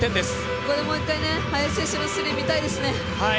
ここでもう一回、林選手のスリーが見たいですね。